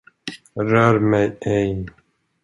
Rör mig ej!